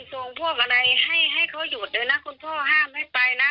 ขุมพ่อไม่ไปนะเพราะว่า